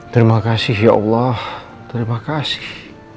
terima kasih ya allah terima kasih